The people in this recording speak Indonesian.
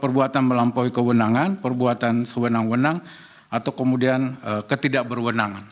perbuatan melampaui kewenangan perbuatan sewenang wenang atau kemudian ketidakberwenangan